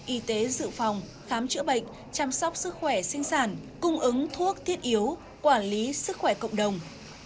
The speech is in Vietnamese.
y tế dự phòng khám chữa bệnh chăm sóc sức khỏe sinh sản cung ứng thuốc thiết yếu quản lý sức khỏe cộng đồng